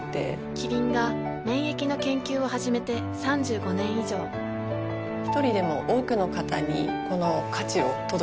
キリンが免疫の研究を始めて３５年以上一人でも多くの方にこの価値を届けていきたいと思っています。